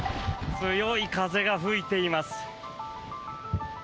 強い風が吹いています。